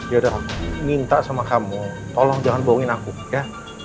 yaudah minta sama kamu tolong jangan bohongin aku ya